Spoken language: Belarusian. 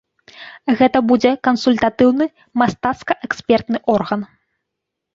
Гэта будзе кансультатыўны мастацка-экспертны орган.